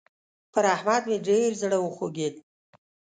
پر احمد مې ډېر زړه وخوږېد.